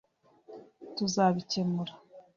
tuzabikemura